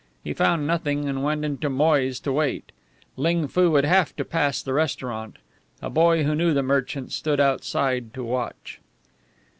He found nothing, and went into Moy's to wait. Ling Foo would have to pass the restaurant. A boy who knew the merchant stood outside to watch.